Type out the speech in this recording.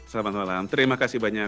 selamat malam terima kasih banyak